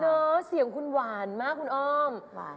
เสียงคุณหวานมากคุณอ้อม